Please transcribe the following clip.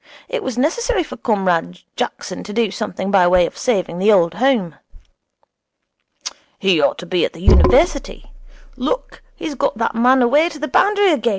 It was necessary for Comrade Jackson to do something by way of saving the Old Home.' 'He ought to be at the University. Look, he's got that man away to the boundary again.